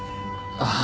ああ。